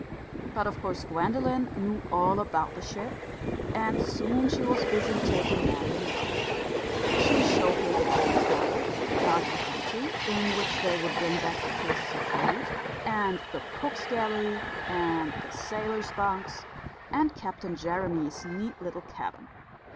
But of course Gwendolen knew all about the ship, and soon she was busy taking Marian round. She showed her the big hold, dark and empty, in which they would bring back the cases of fruit, and the cook's galley, and the sailors' bunks, and Captain Jeremy's neat little cabin.